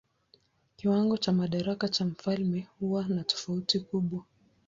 Kiwango cha madaraka cha mfalme huwa na tofauti kubwa.